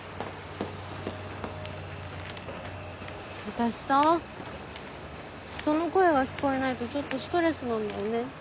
私さ人の声が聞こえないとちょっとストレスなんだよね。